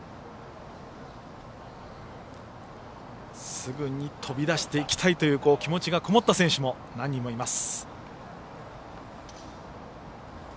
すぐに飛び出していきたいという気持ちがこもった選手も何人もいます。